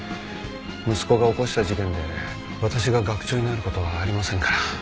息子が起こした事件で私が学長になる事はありませんから。